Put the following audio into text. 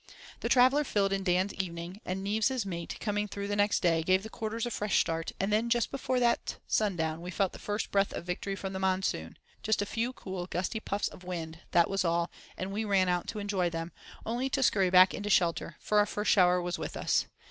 The traveller filled in Dan's evening, and Neaves' mate coming through next day, gave the Quarters a fresh start and then just before that sundown we felt the first breath of victory from the monsoon—just a few cool, gusty puffs of wind, that was all, and we ran out to enjoy them, only to scurry back into shelter, for our first shower was with us.